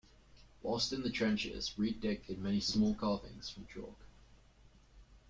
Whilst in the trenches Reid Dick did many small carvings from chalk.